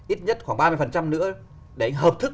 ít nhất khoảng ba mươi nữa để anh hợp thức